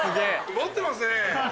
持ってますね。